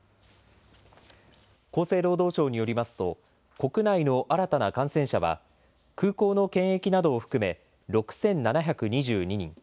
厚生労働省によりますと、国内の新たな感染者は、空港の検疫などを含め６７２２人。